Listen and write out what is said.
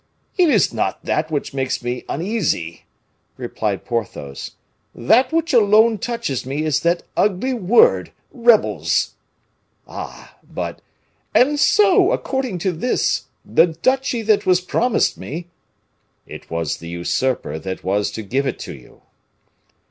"It is not that which makes me uneasy," replied Porthos; "that which alone touches me is that ugly word rebels." "Ah! but " "And so, according to this, the duchy that was promised me " "It was the usurper that was to give it to you."